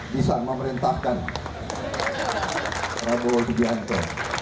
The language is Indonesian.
bisa memerintahkan prabowo subianto